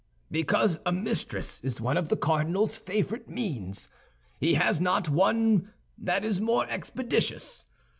"Because a mistress is one of the cardinal's favorite means; he has not one that is more expeditious.